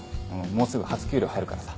もうすぐ初給料入るからさ。